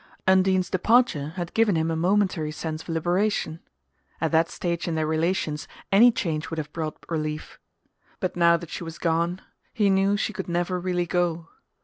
Undine's departure had given him a momentary sense of liberation: at that stage in their relations any change would have brought relief. But now that she was gone he knew she could never really go.